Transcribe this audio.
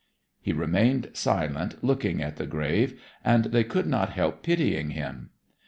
He remained silent, looking at the grave, and they could not help pitying him.